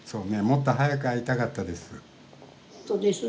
もっと早く会いたかったです。